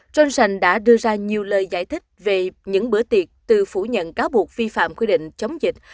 johnson đã đưa ra nhiều lời giải thích về những bữa tiệc từ phủ nhận cáo buộc vi phạm quy định chống dịch